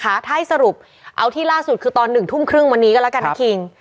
ถ้าให้สรุปเอาที่ล่าสุดคือตอน๑ทุ่มครึ่งวันนี้ก็แล้วกันนะคิง